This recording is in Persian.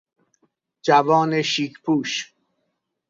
جوان شیک پوش